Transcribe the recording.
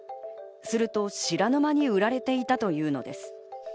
すると知らぬ間に売られていたというのです。